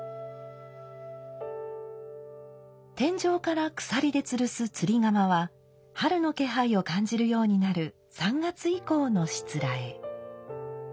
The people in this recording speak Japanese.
天井から鎖でつるす釣釜は春の気配を感じるようになる３月以降のしつらえ。